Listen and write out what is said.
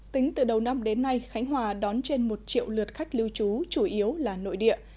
tính từ đầu năm đến nay khánh hòa đón trên một triệu lượt khách lưu trú chủ yếu là nội địa